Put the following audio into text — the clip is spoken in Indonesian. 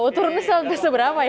wow turunnya sampai seberapa ya